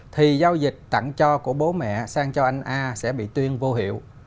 thì giao dịch tặng cho của bố mẹ sang cho anh a sẽ bị tuyên vô hiệu